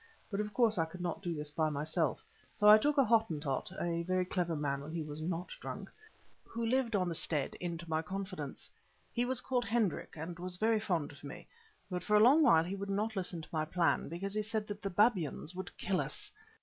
But of course I could not do this by myself, so I took a Hottentot—a very clever man when he was not drunk—who lived on the stead, into my confidence. He was called Hendrik, and was very fond of me; but for a long while he would not listen to my plan, because he said that the babyans would kill us.